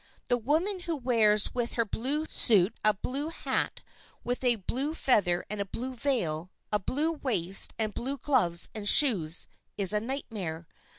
The woman who wears with her blue suit a blue hat with a blue feather and a blue veil, a blue waist and blue gloves and shoes, is a nightmare.